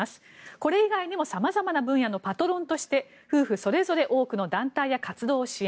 これ以外にもさまざまな分野のパトロンとして夫婦それぞれ多くの団体や活動を支援。